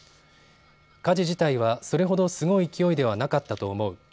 火事自体はそれほどすごい勢いではなかったと思う。